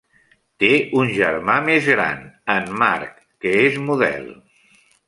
Té un germà major, Mark, que és model.